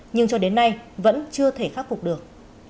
nhưng cho đến nay vẫn chưa thể khắc phục được